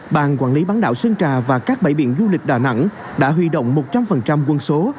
bàn quản lý bán đảo sơn trà và các bãi biển du lịch đà nẵng đã huy động một trăm linh quân số